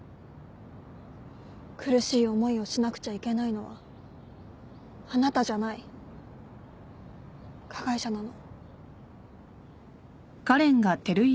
苦しい思いをしなくちゃいけないのはあなたじゃない加害者なの